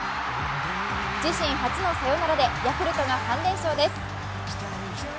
自身初のサヨナラでヤクルトが３連勝です。